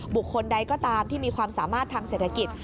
บุคคลใดก็ตามที่มีความสามารถทางเศรษฐกิจ